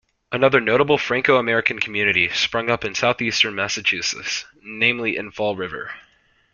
Another notable Franco-American community sprung up in southeastern Massachusetts, namely in Fall River.